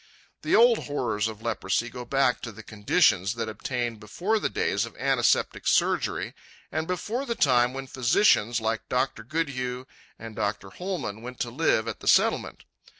The old horrors of leprosy go back to the conditions that obtained before the days of antiseptic surgery, and before the time when physicians like Dr. Goodhue and Dr. Hollmann went to live at the Settlement.